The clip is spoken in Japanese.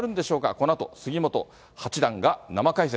このあと杉本八段が生解説。